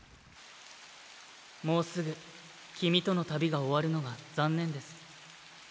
もうすぐ君との旅が終わるのが残念です。